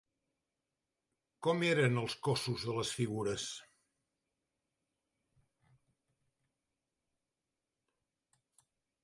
Com eren els cossos de les figures?